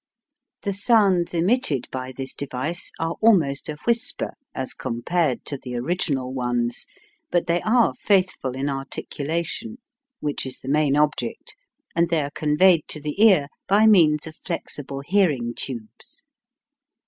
The sounds emitted by this device are almost a whisper as compared to the original ones, but they are faithful in articulation, which is the main object, and they are conveyed to the ear by means of flexible hearing tubes.